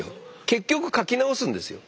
結局書き直すんですよ。